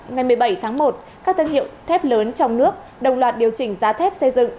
ngày một mươi bảy tháng một các thương hiệu thép lớn trong nước đồng loạt điều chỉnh giá thép xây dựng